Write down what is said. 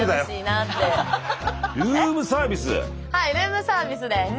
はいルームサービスです。